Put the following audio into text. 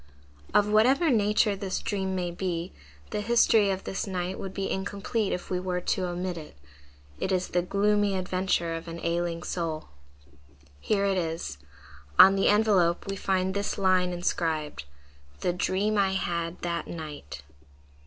Of whatever nature this dream may be, the history of this night would be incomplete if we were to omit it: it is the gloomy adventure of an ailing soul. Here it is. On the envelope we find this line inscribed, "The Dream I had that Night."